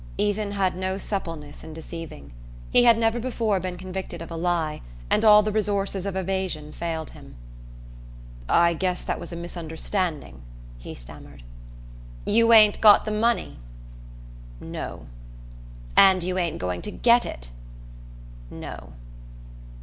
Ethan had no suppleness in deceiving. He had never before been convicted of a lie, and all the resources of evasion failed him. "I guess that was a misunderstanding," he stammered. "You ain't got the money?" "No." "And you ain't going to get it?" "No."